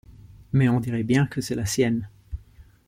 Mais on dirait bien que c’est la sienne.